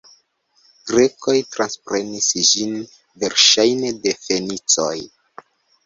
Grekoj transprenis ĝin verŝajne de fenicoj.